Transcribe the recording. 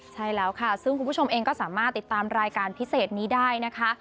ใช่แล้วค่ะซึ่งคุณผู้ชมเองก็สามารถติดตามรายการพิเศษนี้ได้นะคะ